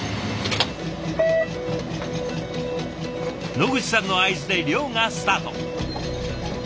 野口さんの合図で漁がスタート。